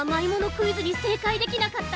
クイズにせいかいできなかった